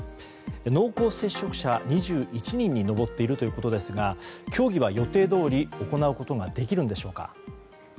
濃厚接触者２１人に上っているということですが競技は予定どおり行うことができるんでしょうか。